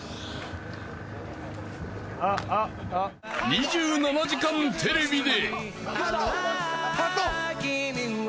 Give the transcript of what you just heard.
［『２７時間テレビ』で］